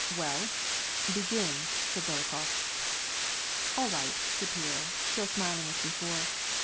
"Well, begin," said Dolokhof. " All right," said Pierre, still smiling as before.